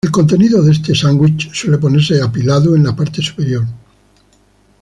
El contenido de este sándwich suele ponerse apilado en la parte superior.